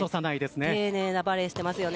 丁寧なバレーをしていますよね。